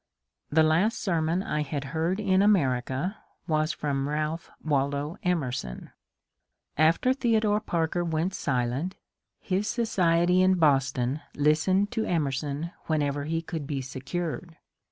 The last sermon I had heard in America was from Ralph Waldo Emerson. After Theodore Parker went silent his society in Boston listened to Emerson whenever he could be secured.